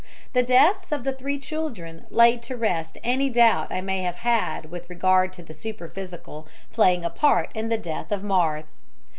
The deaths of the three children laid to rest any doubt I may have had with regard to the superphysical playing a part in the death of Marthe.